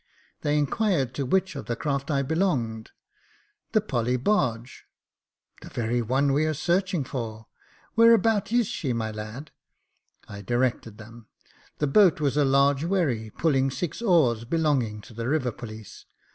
They inquired to which of the craft I belonged. " The Polly barge." *' The very one we are searching for. Where about is she, my lad ?" I directed them : the boat was a large wherry, pulling six oars, belonging to the River Police.